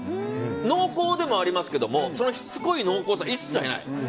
濃厚でもありますけどもしつこい濃厚さは一切ない。